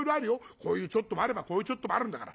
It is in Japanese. こういうちょっともあればこういうちょっともあるんだから。